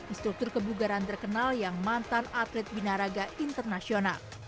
instruktur kebugaran terkenal yang mantan atlet binaraga internasional